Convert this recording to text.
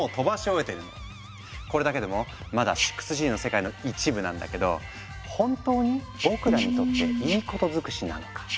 これだけでもまだ６Ｇの世界の一部なんだけど本当に僕らにとっていいことづくしなのか。